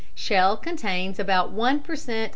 Shell contains about one per cent.